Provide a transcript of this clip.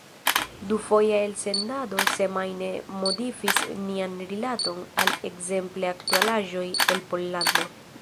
Dufoja elsendado semajne modifis nian rilaton al ekzemple aktualaĵoj el Pollando.